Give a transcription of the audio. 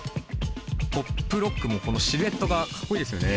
トップロックもこのシルエットがかっこいいですよね。